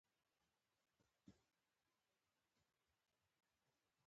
د انګړ شمال لوري ته هغه کوټې دي.